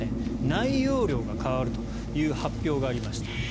内容量が変わるという発表がありました。